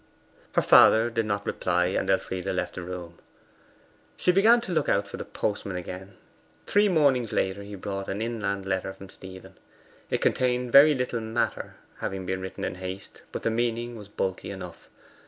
Her father did not reply, and Elfride left the room. She began to look out for the postman again. Three mornings later he brought an inland letter from Stephen. It contained very little matter, having been written in haste; but the meaning was bulky enough.